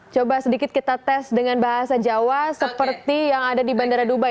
coba sedikit kita tes dengan bahasa jawa seperti yang ada di bandara dubai